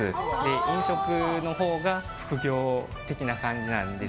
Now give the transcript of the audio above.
飲食のほうが副業的な感じなんです。